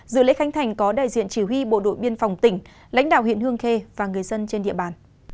dự lễ khánh thành có đại diện chỉ huy bộ đội biên phòng tỉnh lãnh đạo huyện hương khê và người dân trên địa bàn